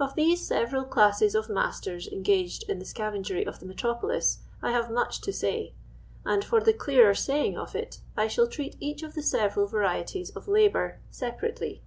Of these several classes of masters engaged in the scavengery ot' the metropolis I have much to i say, and, for the clearer Sitying of it, I shall treat I each of the several varieties of labour separately.